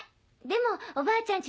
でもおばあちゃん